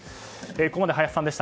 ここまで林さんでした。